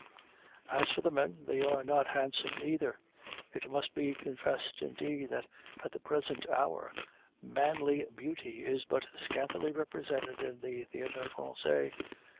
As for the men, they are not handsome either; it must be confessed, indeed, that at the present hour manly beauty is but scantily represented at the Théâtre Français.